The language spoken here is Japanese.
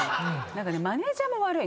マネージャーも悪い。